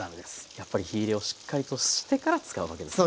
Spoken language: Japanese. やっぱり火いれをしっかりとしてから使うわけですね。